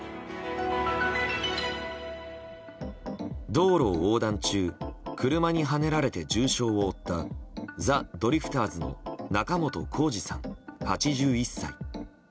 道路を横断中車にはねられて重傷を負ったザ・ドリフターズの仲本工事さん、８１歳。